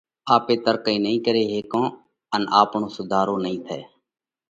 آپي ترقئِي نئين ڪري هيڪون ان آپڻو سُڌارو نئين ٿئہ۔